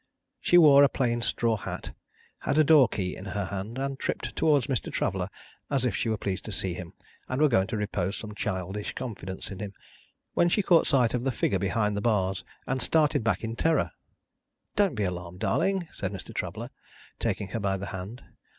She wore a plain straw hat, had a door key in her hand, and tripped towards Mr. Traveller as if she were pleased to see him and were going to repose some childish confidence in him, when she caught sight of the figure behind the bars, and started back in terror. "Don't be alarmed, darling!" said Mr. Traveller, taking her by the hand.